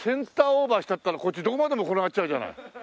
オーバーしちゃったらこっちどこまでも転がっちゃうじゃない。